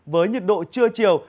với nhiệt độ trưa chiều